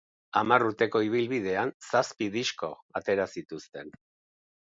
Hamar urteko ibilbidean zazpi disko atera zituzten.